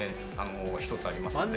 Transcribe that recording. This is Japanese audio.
１つありますので。